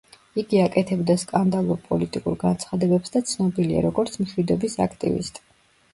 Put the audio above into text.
იგი აკეთებდა სკანდალურ პოლიტიკურ განცხადებებს და ცნობილია, როგორც მშვიდობის აქტივისტი.